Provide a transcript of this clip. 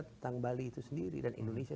tentang bali itu sendiri dan indonesia